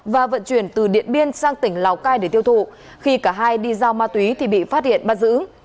và vận chuyển từ điện biên sang tỉnh lào cai để tiêu thụ khi cả hai đi giao ma túy thì bị phát hiện bắt giữ